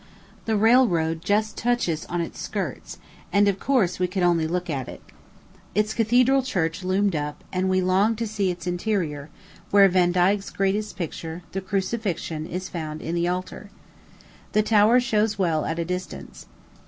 The railroad just touches on its skirts, and, of course, we could only look at it. Its cathedral church loomed up; and we longed to see its interior, where Vandyke's greatest picture the Crucifixion is found in the altar. The tower shows well at a distance.